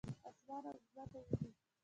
اسمان او مځکه وینې؟